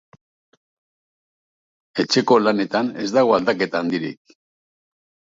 Etxeko lanetan ez dago aldaketa handirik.